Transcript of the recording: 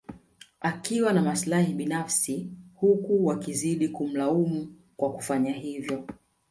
Akiwa na maslahi binafsi huku wakazidi kumlaumu kwa kufanya hivyo